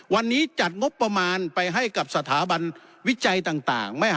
วันนี้จัดงบประมาณไปให้กับสถาบันวิจัยต่าง